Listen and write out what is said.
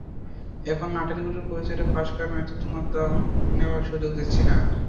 এখন নাটের গুরুর পরিচয়টা ফাঁস করো নয়তো তোমাকে দম নেওয়ার সুযোগ দিচ্ছি না আর।